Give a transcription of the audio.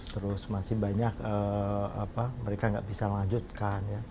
terus masih banyak mereka nggak bisa melanjutkan